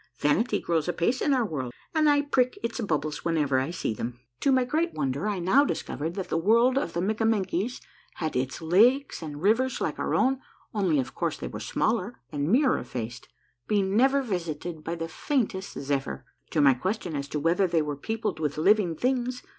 Vanity grows apace in our world, and I prick its bubbles whenever I see them." To my great wonder I now discovered that the world of the Mikkamenkies had its lakes and rivers like our own, only of course they were smaller and mirror faced, being never visited by the faintest zephyr. To my question as to whether they were peopled with living things.